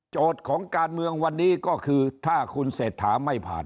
ของการเมืองวันนี้ก็คือถ้าคุณเศรษฐาไม่ผ่าน